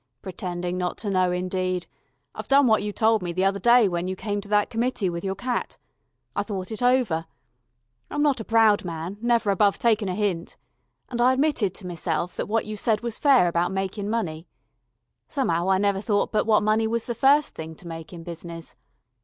"Pretending not to know, indeed. I've done what you told me the other day when you came to that committee with your cat. I thought it over I'm not a proud man, never above takin' a hint, and I admitted to meself that what you said was fair about makin' money. Some'ow I never thought but what money was the first thing to make in business.